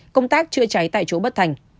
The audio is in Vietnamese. công tác chữa cháy tại chỗ bất thành